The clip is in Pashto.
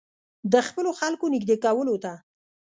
د خپلو خلکو نېږدې کولو ته.